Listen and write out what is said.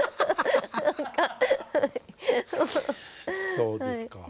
そうですか。